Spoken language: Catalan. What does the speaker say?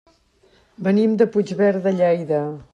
Venim de Puigverd de Lleida.